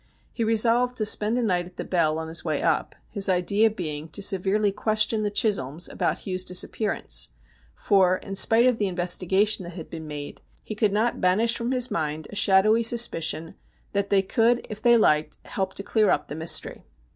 He resolved to spend a night at the Bell on his way up, his idea being to severely question the Chisholms about Hugh's disappearance, for, in spite of the investigation that had been made, he could not banish from his mind a shadowy suspicion that they could if they liked help to clear up the mystery.